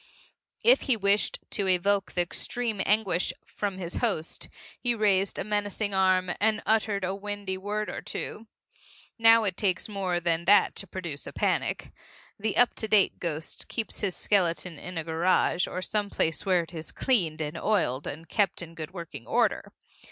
If he wished to evoke the extreme of anguish from his host, he raised a menacing arm and uttered a windy word or two. Now it takes more than that to produce a panic. The up to date ghost keeps his skeleton in a garage or some place where it is cleaned and oiled and kept in good working order.